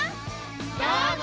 どうぞ！